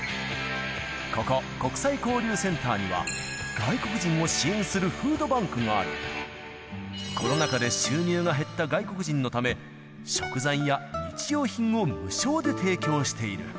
ここ、国際交流センターには、外国人を支援するフードバンクがあり、コロナ禍で収入が減った外国人のため、食材や日用品を無償で提供している。